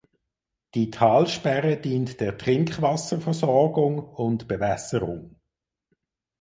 Die Talsperre dient der Trinkwasserversorgung und Bewässerung.